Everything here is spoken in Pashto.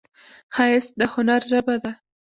ښایست د هنر ژبه ده